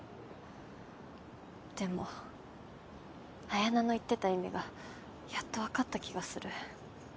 でも彩菜の言ってた意味がやっとわかった気がする。